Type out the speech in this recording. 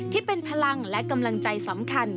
ที่เป็นพลังและกำลังใจสำคัญ